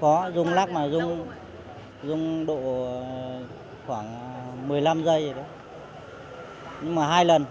có rung lắc mà rung độ khoảng một mươi năm giây nhưng mà hai lần